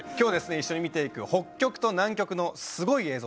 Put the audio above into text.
一緒に見ていく北極と南極のすごい映像